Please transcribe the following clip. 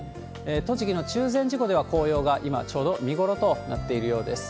栃木の中禅寺湖では紅葉が今、ちょうど見頃となっているようです。